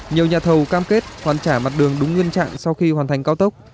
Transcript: nhiều nhà thầu cam kết hoàn trả mặt đường đúng nguyên trạng sau khi hoàn thành cao tốc